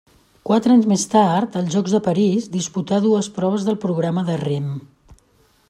Quatre anys més tard, als Jocs de París disputà dues proves del programa de rem.